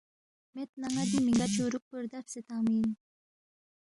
مید نہ ن٘ا دی مِنگا چُورُوک پو ردَبسے تنگمی اِن